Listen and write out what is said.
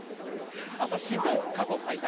朝日新聞、過去最多。